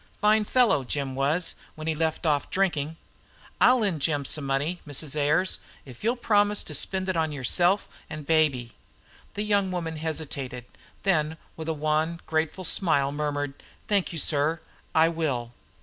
"Fine fellow, Jim was, when he left off drinking. I'll lend Jim some money, Mrs. Ayers, if you'll promise to spend it on yourself and baby." The young woman hesitated, then with a wan, grateful smile murmured, "Thank you, sir, I will."